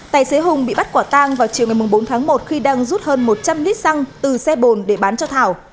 tài xế hùng bị bắt quả tang vào chiều ngày bốn tháng một khi đang rút hơn một trăm linh lít xăng từ xe bồn để bán cho thảo